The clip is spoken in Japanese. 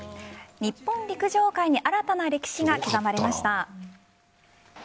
日本陸上界に新たな歴史が刻まれました。